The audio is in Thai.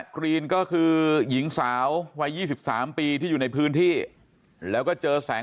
กรีนก็คือหญิงสาววัย๒๓ปีที่อยู่ในพื้นที่แล้วก็เจอแสง